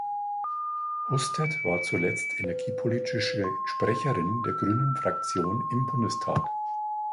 Hustedt war zuletzt energiepolitische Sprecherin der Grünen-Fraktion im Bundestag.